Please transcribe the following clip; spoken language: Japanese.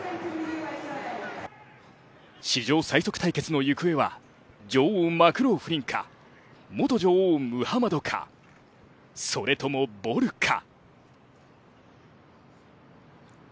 史上最速対決の行方は、女王マクローフリンか、元女王ムハマドか、それともボルか？